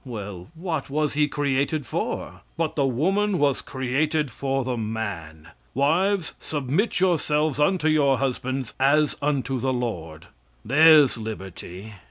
Well, what was he created for? "But the woman was created for the man. Wives, submit yourselves unto your husbands, as unto the Lord." There's Liberty!